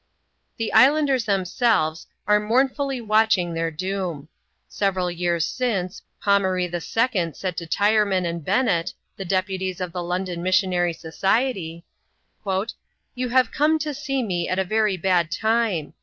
The islanders themselves, are mournfully watching their doom. Several years since, Pomaree II. said to Tyreman and Bennet, the deputies of the London Missionary Society, " You have come to see me at a very bad time.